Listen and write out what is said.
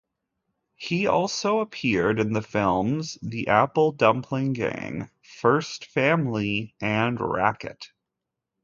He also appeared in the films "The Apple Dumpling Gang", "First Family", and "Racquet".